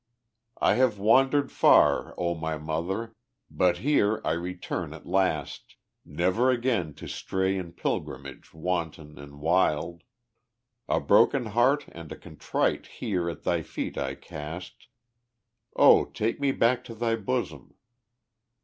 "I have wandered far, O my mother, but here I return at the last, Never again to stray in pilgrimage wanton and wild; A broken heart and a contrite here at thy feet I cast, O take me back to thy bosom